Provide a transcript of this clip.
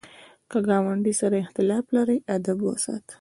که ګاونډي سره اختلاف لرې، ادب وساته